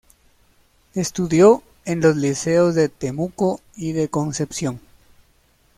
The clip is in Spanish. Estudió en los Liceos de Temuco y de Concepción.